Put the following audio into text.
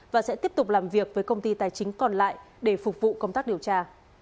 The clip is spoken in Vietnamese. và sẽ tiếp tục làm việc với công ty tài chính còn lại để phục vụ công tác điều tra